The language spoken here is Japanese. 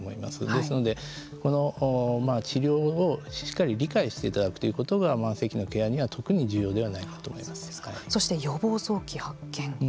ですので、治療をしっかり理解していただくということが慢性期のケアにはそして予防、早期発見。